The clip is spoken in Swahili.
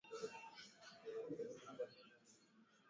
mbalimbali vinavyoelezea mambo kadhaa yanayohusu lugha ya